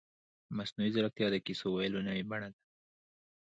مصنوعي ځیرکتیا د کیسو ویلو نوې بڼه ده.